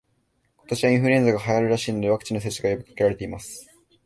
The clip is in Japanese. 今年はインフルエンザが流行るらしいので、ワクチンの接種が呼びかけられています